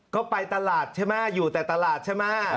ก็ไปตลาดใช่ไหมอยู่แต่ตลาดใช่ไหม